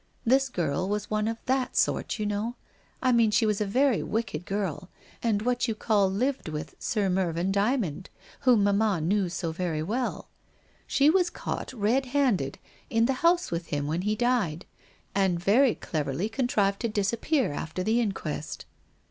This girl was one of that sort, you know. I mean she was a very wicked girl, and what you call lived with Sir Mervyn Dymond, whom mamma knew so very well. She was caught red handed, in the house with him when he died, and very cleverly contrived to disappear after the inquest.